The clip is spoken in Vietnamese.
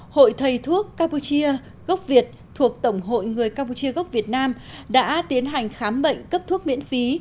hội thầy thuốc campuchia gốc việt thuộc tổng hội người campuchia gốc việt nam đã tiến hành khám bệnh cấp thuốc miễn phí